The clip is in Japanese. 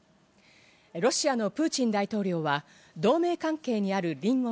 ロシアのプーチン大統領は同盟関係にある隣国